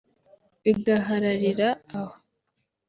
bigahararira aho